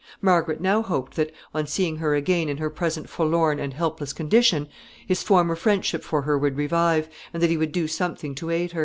Margaret now hoped that, on seeing her again in her present forlorn and helpless condition, his former friendship for her would revive, and that he would do something to aid her.